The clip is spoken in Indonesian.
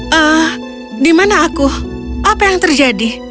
hmm di mana aku apa yang terjadi